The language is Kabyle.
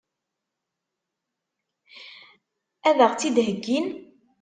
Ad ɣ-tt-id-heggin?